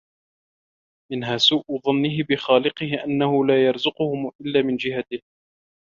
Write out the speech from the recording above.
مِنْهَا سُوءُ ظَنِّهِ بِخَالِقِهِ أَنَّهُ لَا يَرْزُقُهُمْ إلَّا مِنْ جِهَتِهِ